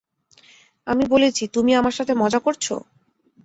আমি বলেছি, তুমি আমার সাথে মজা করছো?